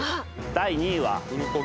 第２位は。